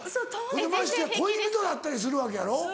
ましてや恋人だったりするわけやろ？